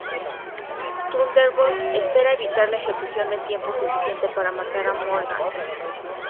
Thunderbolt espera evitar la ejecución el tiempo suficiente para matar a Morgan.